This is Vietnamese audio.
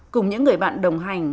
cùng những người bạn đồng hành